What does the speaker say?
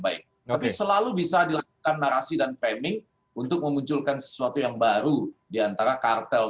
baik tapi selalu bisa dilakukan narasi dan framing untuk memunculkan sesuatu yang baru diantara kartel